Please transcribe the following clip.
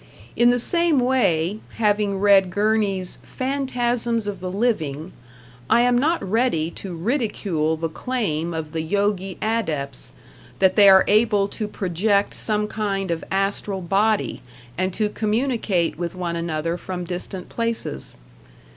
In the same way, having read Gurney's "Phantasms of the Living," I am not ready to ridicule the claim of the Yogi adepts, that they are able to project some kind of astral body, and to communicate with one another from distant places.